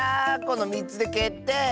この３つでけってい！